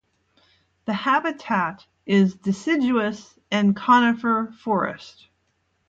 The habitat is deciduous and conifer forest.